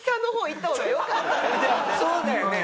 そうだよね！